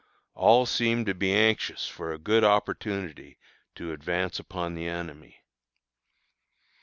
All seem to be anxious for a good opportunity to advance upon the enemy.